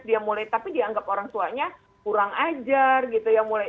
dia mulai tapi dianggap orang tuanya kurang ajar gitu ya mulai